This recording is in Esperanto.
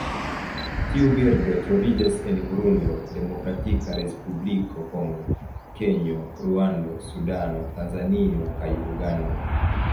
Tiu birdo troviĝas en Burundo, Demokratia Respubliko Kongo, Kenjo, Ruando, Sudano, Tanzanio kaj Ugando.